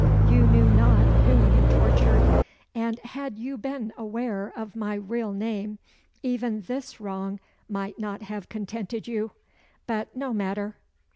You knew not whom you tortured; and had you been aware of my real name, even this wrong might not have contented you. But no matter.